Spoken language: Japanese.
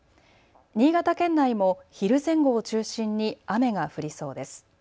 新潟県内も昼前後を中心に雨が降りそうです。